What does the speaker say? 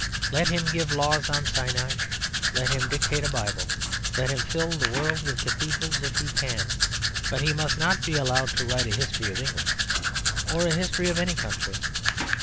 Let him give laws on Sinai, let him dictate a Bible, let him fill the world with cathedrals if he can. But he must not be allowed to write a history of England; or a history of any country.